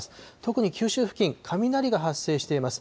特に九州付近、雷が発生しています。